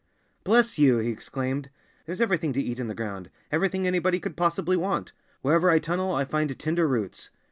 "Bless you!" he exclaimed. "There's everything to eat in the ground everything anybody could possibly want. Wherever I tunnel I find tender roots.